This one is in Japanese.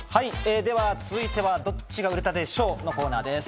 続いては、どっちが売れたでＳＨＯＷ！のコーナーです。